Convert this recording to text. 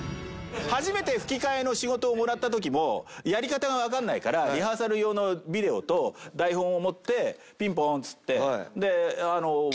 初めて吹き替えの仕事をもらった時もやり方がわからないからリハーサル用のビデオと台本を持ってピンポンっつって。